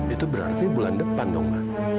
itu berarti bulan depan dong pak